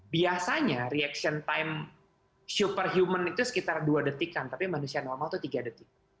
biasanya reaction time super human itu sekitar dua detikan tapi manusia normal itu tiga detik